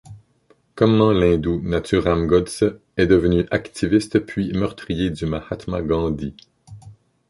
Comment l'hindou Nathuram Godse est devenu activiste puis meurtrier du Mahatma Gandhi.